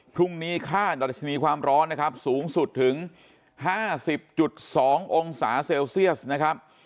พรุ่งนี้ค่าดัชนีความร้อนนะครับสูงสุดถึง๕๐๒องศาเซลเซียสนะครับ